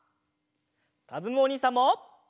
かずむおにいさんも！